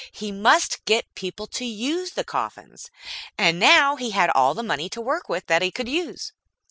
He must get people to use the coffins; and now he had all the money to work with that he could use.